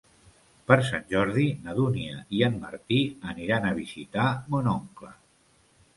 Per Sant Jordi na Dúnia i en Martí aniran a visitar mon oncle.